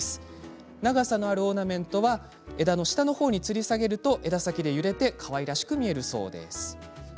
長さのあるオーナメントは下のほうにつり下げると枝先で揺れてかわいらしく見えます。